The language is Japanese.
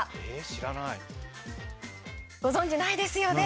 知らないご存じないですよね？